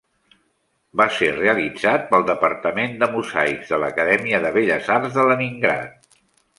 Va ser realitzat pel departament de mosaics de l'Acadèmia de Belles Arts de Leningrad.